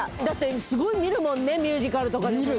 すごい見るもんね、ミュージカルとかね。